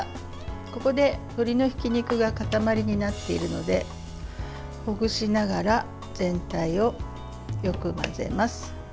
ここで、鶏のひき肉が固まりになっているのでほぐしながら全体をよく混ぜます。